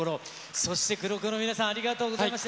そしてＫＵＲＯＫＯの皆さん、ありがとうございました。